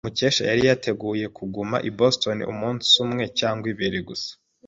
Mukesha yari yateguye kuguma i Boston umunsi umwe cyangwa ibiri gusa.